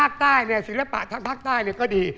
ภาคใต้เนี่ยศิลปะทางภาคใต้ก็ดี